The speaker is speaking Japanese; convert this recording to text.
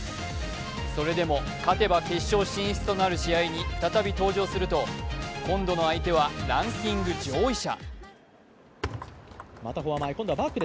それでも勝てば決勝進出となる試合に再び登場すると今度の相手はランキング上位者。